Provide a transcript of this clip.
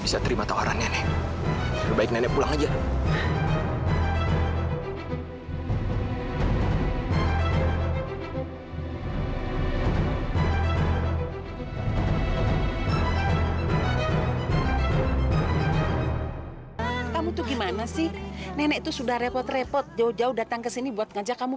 satria tidak boleh pulang hanya karena aku